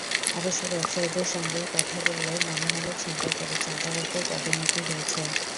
অবশ্য ব্যবসায়ীদের সঙ্গে কথা বললে মনে হবে ছিনতাইকারী, চাঁদাবাজদের পদোন্নতি হয়েছে।